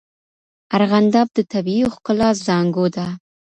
ارغنداب د طبیعي ښکلا زانګو ده.